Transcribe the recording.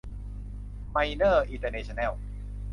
ไมเนอร์ อินเตอร์เนชั่นแนล